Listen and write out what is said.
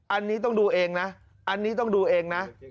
อันนี้ต้องดูเองนะอันนี้ต้องดูเองนะ